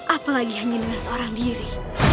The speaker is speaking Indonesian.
apalagi hanya dengan seorang diri